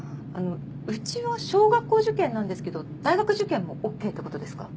うちは小学校受験なんですけど大学受験もＯＫってことですか？